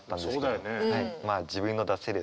そうだよね。